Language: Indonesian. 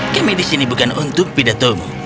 kami di sini bukan untuk pidatomu